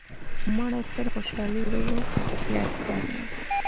مړه ته د خوشحالۍ ورځو یاد پاتې دی